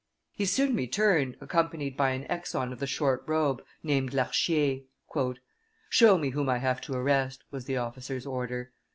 He soon returned, accompanied by an exon of the short robe, named Larchier. "Show me whom I have to arrest," was the officer's order.